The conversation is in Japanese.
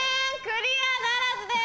クリアならずです！